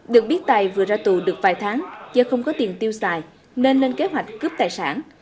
được biết tài vừa ra tù được vài tháng do không có tiền tiêu xài nên lên kế hoạch cướp tài sản